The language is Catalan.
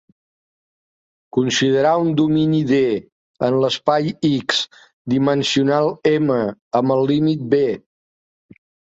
Considerar un domini "D" en l'espai "x" "dimensional-"m", amb el límit "B".